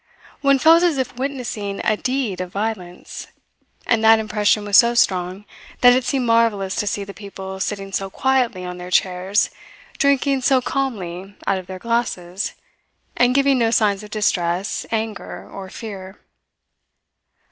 One felt as if witnessing a deed of violence; and that impression was so strong that it seemed marvellous to see the people sitting so quietly on their chairs, drinking so calmly out of their glasses, and giving no signs of distress, anger, or fear.